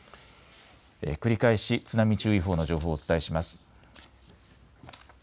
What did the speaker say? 繰り返し津波注意報の情報をお伝えします。